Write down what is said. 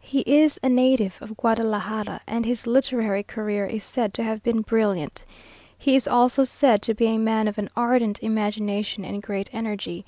He is a native of Guadalajara, and his literary career is said to have been brilliant. He is also said to be a man of an ardent imagination and great energy.